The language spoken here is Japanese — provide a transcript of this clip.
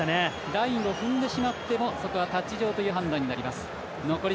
ラインを踏んでしまってもそこはタッチ上という判断になります。